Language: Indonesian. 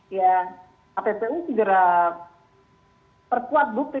ya kppu segera perkuat bukti